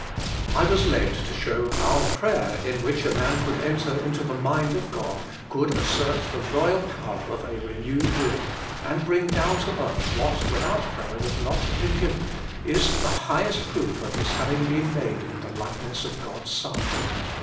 I was led to show how prayer, in which a man could cuter into the mind of God, could assert the royal power of a renewed will, and bring down to earth what without prayer would not have been given, is the highest proof of his having been made in the likeness of God s Son.